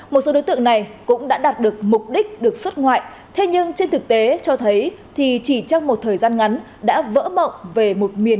một số đối tượng này cũng đã đạt được mục đích được xuất ngoại thế nhưng trên thực tế cho thấy thì chỉ trong một thời gian ngắn